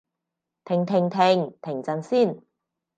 停停停！停陣先